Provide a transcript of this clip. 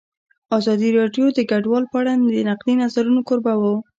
ازادي راډیو د کډوال په اړه د نقدي نظرونو کوربه وه.